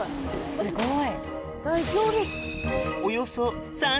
すごい！